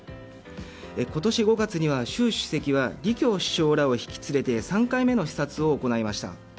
今年５月には、習主席が李強首相らを引き連れて３回目の視察を行いました。